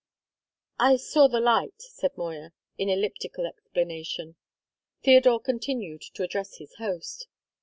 "I saw the light," said Moya, in elliptical explanation. Theodore continued to address his host.